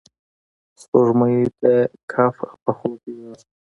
سپوږمۍ د کهف په خوب بیده ده